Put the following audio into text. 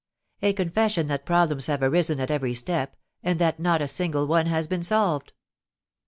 A confession that problems have arisen at every step, and that not a single one has been solved!